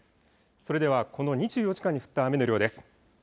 それではこの２４時間に降った雨の量です。